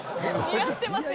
似合ってますよね。